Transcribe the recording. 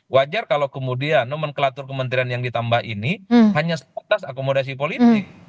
wajar kalau kemudian nomenklatur kementerian yang ditambah ini hanya sebatas akomodasi politik